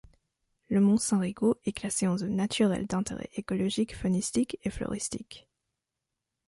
Le mont Saint-Rigaud est classé en zone naturelle d'intérêt écologique, faunistique et floristique.